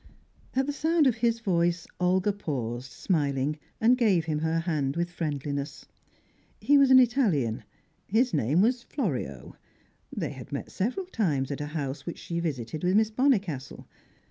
At the sound of his voice, Olga paused, smiling, and gave him her hand with friendliness. He was an Italian, his name Florio; they had met several times at a house which she visited with Miss Bonnicastle.